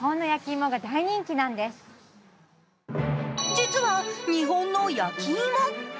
実は日本の焼き芋。